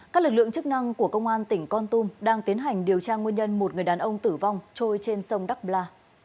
các lực lượng chức năng của công an tỉnh con tum đang tiến hành điều tra nguyên nhân một người đàn ông tử vong trôi trên sông đắk bla